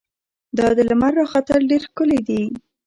دا د لمر راختل ډېر ښکلی دي.